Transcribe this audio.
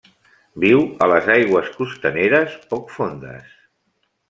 Viu a les aigües costaneres poc fondes.